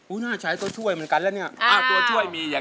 อุ๊ยน่าใช้ตัวช่วยเหมือนกันแล้วเนี่ยอ่า